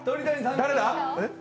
誰だ？